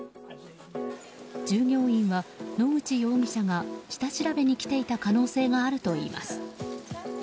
従業員は、野口容疑者が下調べに来ていた可能性があるといいます。